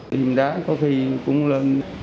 điểm đá có khi cũng lên